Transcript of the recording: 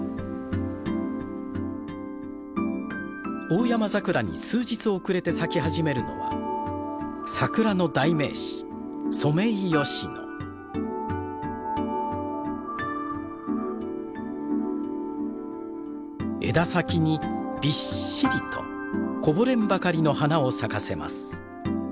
オオヤマザクラに数日遅れて咲き始めるのは桜の代名詞枝先にびっしりとこぼれんばかりの花を咲かせます。